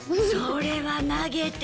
それは投げてる。